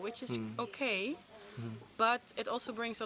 tapi juga membawa banyak resiko